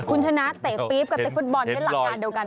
คุณชนะเตะปี๊บกับเตะฟุตบอลเล่นหลักงานเดียวกัน